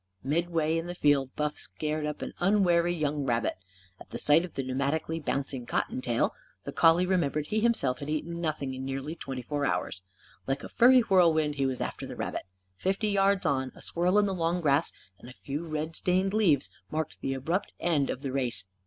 Midway in the field, Buff scared up an unwary young rabbit. At sight of the pneumatically bouncing cottontail, the collie remembered he himself had eaten nothing in nearly twenty four hours. Like a furry whirlwind, he was after the rabbit. Fifty yards on, a swirl in the long grass and a few red stained leaves marked the abrupt end of the race.